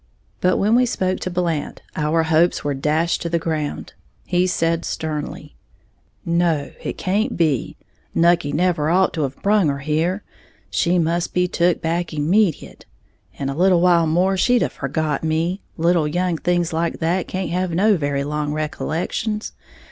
But when we spoke to Blant, our hopes were dashed to the ground. He said sternly, "No, it can't be, Nucky never ought to have brung her, she must be took back immediate. In a little while more she'd have forgot me, little young things like that can't have no very long recollections.